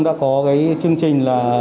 đã có chương trình